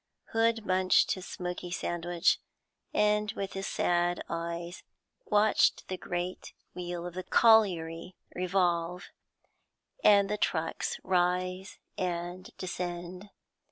Hood munched his smoky sandwich, and with his sad eyes watched the great wheel of the colliery revolve, and the trucks rise and descend.